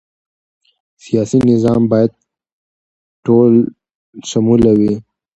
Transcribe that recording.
سیاسي نظام باید ټولشموله وي